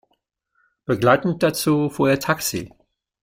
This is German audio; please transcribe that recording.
Begleitend dazu fuhr er Taxi.